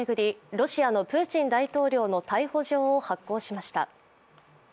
ロシアのプーチン大統領の逮捕状を発行しました。